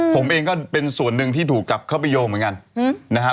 ผมเองก็เป็นส่วนหนึ่งที่ถูกจับเข้าไปโยงเหมือนกันนะครับ